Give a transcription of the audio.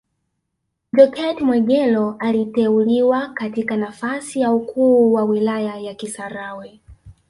Jokate Mwegelo aliteuliwa katika nafasi ya ukuu wa wilaya ya Kisarawe